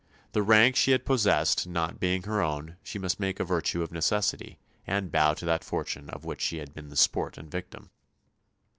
The rank she had possessed not being her own she must make a virtue of necessity, and bow to that fortune of which she had been the sport and victim.